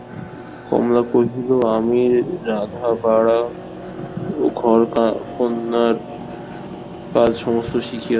কমলা কহিল, আমি রাঁধাবাড়া ঘরকন্নার কাজ সমস্ত শিখিয়াছি।